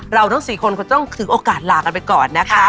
เราทั้ง๔คนคงต้องถือโอกาสลากันไปก่อนนะคะ